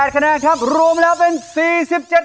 คะแนนครับรวมแล้วเป็น๔๗คะแนน